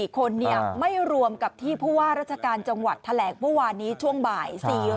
๙๑๔คนเนี่ยไม่รวมกับที่พูดว่ารัชกาลจังหวัดแถลกวันวันนี้ช่วงบ่าย